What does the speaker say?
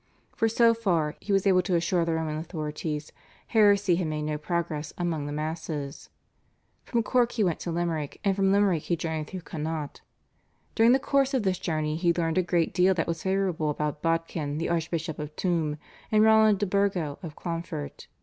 For so far, he was able to assure the Roman authorities, heresy had made no progress among the masses. From Cork he went to Limerick, and from Limerick he journeyed through Connaught. During the course of this journey he learned a great deal that was favourable about Bodkin the Archbishop of Tuam and Roland De Burgo of Clonfert.